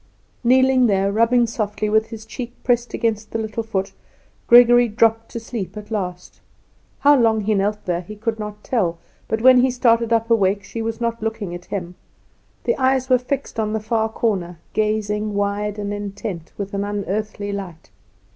Kneeling there, rubbing softly, with his cheek pressed against the little foot, Gregory dropped to sleep at last. How long he knelt there he could not tell; but when he started up awake she was not looking at him. The eyes were fixed on the far corner, gazing wide and intent, with an unearthly light.